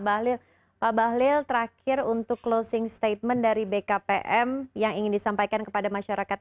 bahlil pak bahlil terakhir untuk closing statement dari bkpm yang ingin disampaikan kepada masyarakat